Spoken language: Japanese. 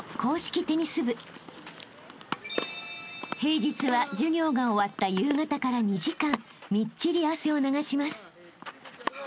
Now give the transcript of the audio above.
［平日は授業が終わった夕方から２時間みっちり汗を流します］